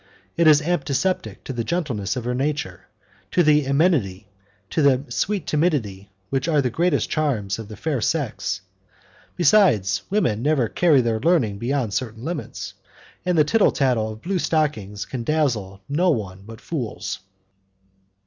It is antipathetic to the gentleness of her nature, to the amenity, to the sweet timidity which are the greatest charms of the fair sex, besides, women never carry their learning beyond certain limits, and the tittle tattle of blue stockings can dazzle no one but fools.